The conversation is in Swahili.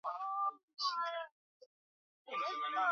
ndege na kuasilisha hasara kubwa ya kuku